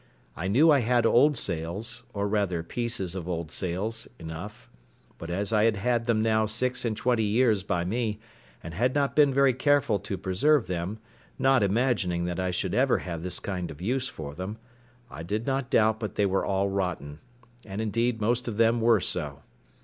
I knew I had old sails, or rather pieces of old sails, enough; but as I had had them now six and twenty years by me, and had not been very careful to preserve them, not imagining that I should ever have this kind of use for them, I did not doubt but they were all rotten; and, indeed, most of them were so.